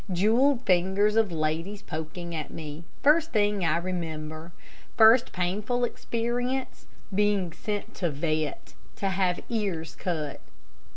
Jewelled fingers of ladies poking at me, first thing I remember. First painful experience being sent to vet. to have ears cut."